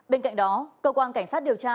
bên cạnh đó cơ quan cảnh sát điều tra